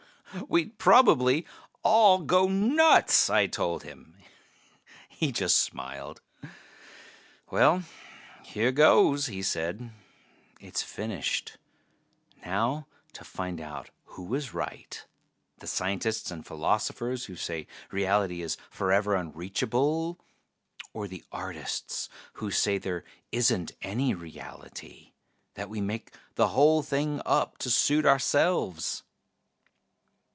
"We'd probably all go nuts!" I told him. He just smiled. "Well, here goes," he said. "It's finished. Now to find out who is right, the scientists and philosophers who say reality is forever unreachable, or the artists who say there isn't any reality that we make the whole thing up to suit ourselves."